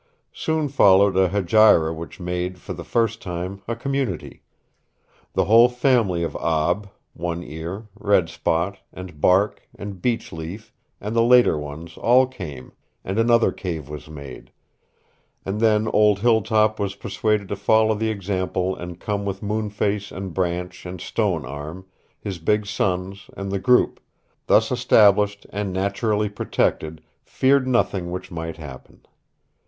Soon followed a hegira which made, for the first time, a community. The whole family of Ab, One Ear, Red Spot and Bark and Beech leaf and the later ones, all came, and another cave was made, and then old Hilltop was persuaded to follow the example and come with Moonface and Branch and Stone Arm, his big sons, and the group, thus established and naturally protected, feared nothing which might happen.